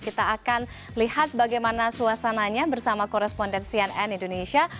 kita akan lihat bagaimana suasananya bersama korespondensian n indonesia